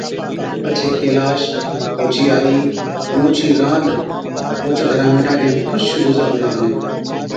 پڇي ڪيلاش، اوڇِي آئِي ائُون اوڇِي رانڏ اوهچ گھرا ۾ ڏاڍين خُوش گُذارُون لاگلين۔